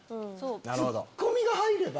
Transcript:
ツッコミが入れば。